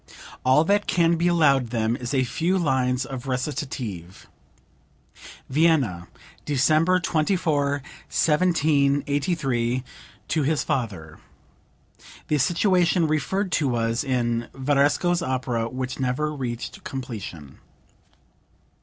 All that can be allowed them is a few lines of recitative." (Vienna, December 24, 1783, to his father. The situation referred to was in Varesco's opera which never reached completion.)